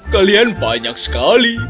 kalian banyak sekali